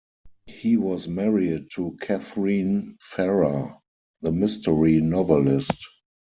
He was married to Katharine Farrer, the mystery novelist.